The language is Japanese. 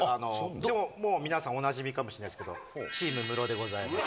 でももう皆さん、おなじみかもしれないですけど、チームムロでございます。